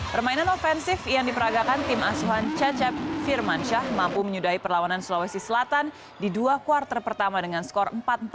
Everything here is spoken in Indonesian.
permainan ofensif yang diperagakan tim asuhan cecep firmansyah mampu menyudahi perlawanan sulawesi selatan di dua kuartal pertama dengan skor empat empat